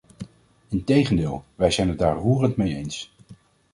Integendeel, wij zijn het daar roerend mee eens.